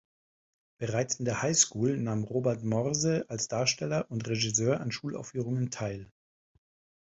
Bereits in der Highschool nahm Robert Morse als Darsteller und Regisseur an Schulaufführungen teil.